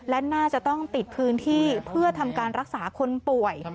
และน่าจะต้องติดพื้นที่เพื่อทำการรักษาคนป่วย